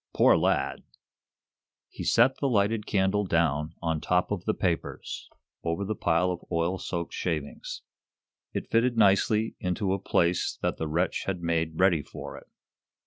Poor lad!" He set the lighted candle down on top of the papers, over the pile of oil soaked shavings. It fitted nicely into a place that the wretch had made ready for it.